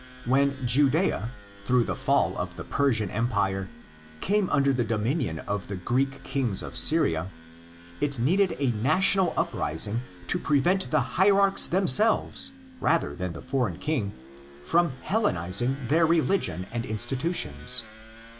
When Judea, through the fall of the Persian Empire, came under the dominion of the Greek Kings of Syria, POST BIBLICAL ESCHATOLOGY OF THE JEWS 11 it needed a national uprising to prevent the hierarchs themselves—rather than the foreign king—from ''Hellenising'"' their religion and institutions.